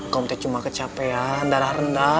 contact cuma kecapean darah rendah